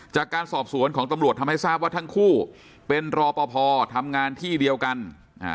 จากการสอบสวนของตำรวจทำให้ทราบว่าทั้งคู่เป็นรอปภทำงานที่เดียวกันอ่า